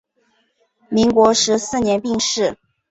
民国十四年病逝。